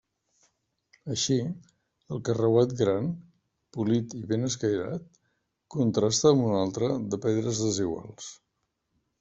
Així, el carreuat gran, polit i ben escairat, contrasta amb un altre de pedres desiguals.